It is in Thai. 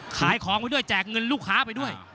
ขายของไปด้วยแจกเงินลูกค้าไปด้วย